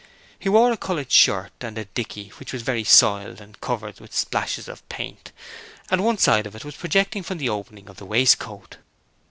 He wore a coloured shirt and a 'dickey' which was very soiled and covered with splashes of paint, and one side of it was projecting from the opening of the waistcoat.